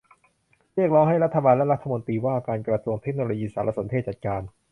เรียกร้องให้รัฐบาลและรัฐมนตรีว่าการกระทรวงเทคโนโลยีสารสนเทศจัดการ